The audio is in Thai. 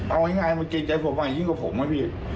เอาง่ายมันเกรงใจผมว่ายิ่งกว่าผมนะพี่